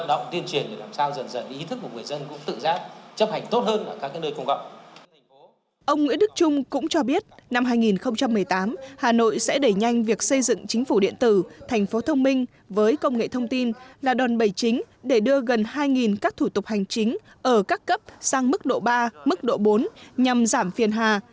ông nguyễn đức trung cũng cho biết năm hai nghìn một mươi tám hà nội sẽ đẩy nhanh việc xây dựng chính phủ điện tử thành phố thông minh với công nghệ thông tin là đòn bày chính để đưa gần hai các thủ tục hành chính ở các cấp sang mức độ ba mức độ bốn nhằm giảm phiền hà